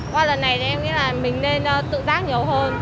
qua lần này em nghĩ là mình nên tự tác nhiều hơn